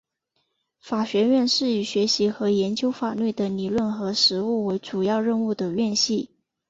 法学院是以学习和研究法律的理论和实务为主要任务的院系。